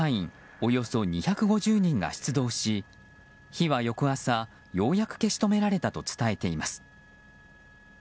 およそ２５０人が出動し火は翌朝、ようやく消し止められたと伝えています。